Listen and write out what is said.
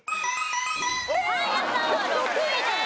パン屋さんは６位です。